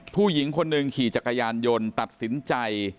ผู้หญิงคนหนึ่งขี่จักรยานยนต์ตัดสินใจ